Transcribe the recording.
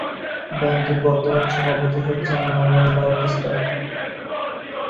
ব্যাংকটির বর্তমান সভাপতি হচ্ছেন মানুয়েল বাউটিস্টা।